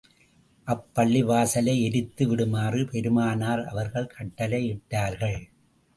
அப்பள்ளிவாசலை எரித்து விடுமாறு பெருமானார் அவர்கள் கட்டளை இட்டார்கள்.